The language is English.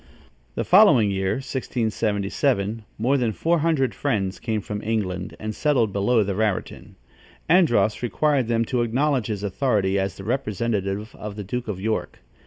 The following year (1677), more than four hundred Friends came from England and settled below the Raritan. Andros required them to acknowledge his authority as the representative of the Duke of York.